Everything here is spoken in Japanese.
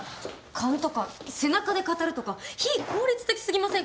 勘とか背中で語るとか非効率的すぎませんか？